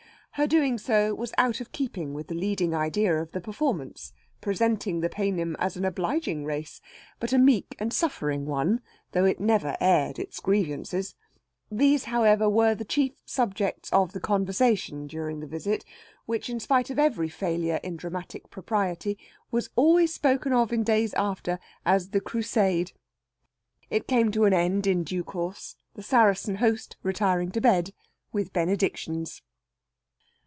Her doing so was out of keeping with the leading idea of the performance, presenting the Paynim as an obliging race; but a meek and suffering one, though it never aired its grievances. These, however, were the chief subjects of conversation during the visit, which, in spite of every failure in dramatic propriety, was always spoken of in after days as "the Crusade." It came to an end in due course, the Saracen host retiring to bed, with benedictions.